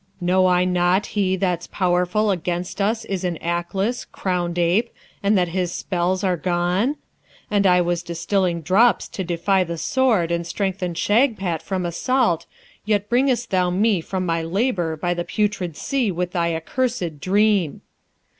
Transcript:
Know I not he that's powerful against us is in Aklis, crowned ape, and that his spells are gone? And I was distilling drops to defy the Sword and strengthen Shagpat from assault, yet bringest thou me from my labour by the Putrid Sea with thy accursed dream!'